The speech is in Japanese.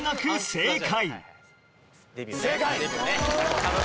正解！